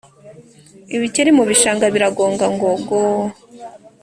Ibikeri mu bishanga biragonga ngo go